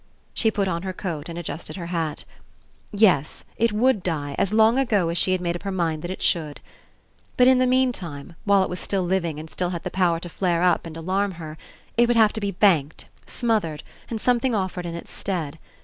She put on her coat and adjusted her hat. Yes, it would die, as long ago she had made up her mind that it should. But in the meantime, while it was still living and still had the power to flare up and alarm her, it would have to be banked, smothered, and something offered in Its stead.